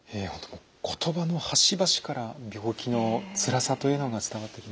もう言葉の端々から病気のつらさというのが伝わってきました。